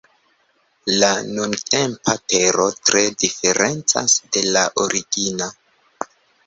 La nuntempa Tero tre diferencas de la origina.